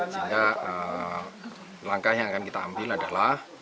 sehingga langkah yang akan kita ambil adalah